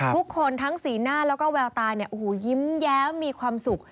ทุกคนทั้งสีหน้าแล้วก็แววตายิ้มแย้มมีความสุข